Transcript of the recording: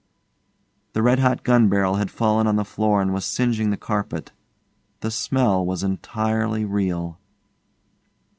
The red hot gun barrel had fallen on the floor and was singeing the carpet. The smell was entirely real.